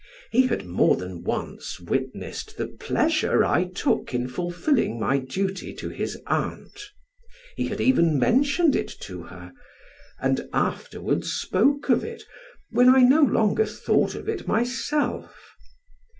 He had more than once witnessed the pleasure I took in fulfilling my duty to his aunt: he had even mentioned it to her, and afterwards spoke of it, when I no longer thought of it myself.